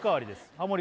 ハモリ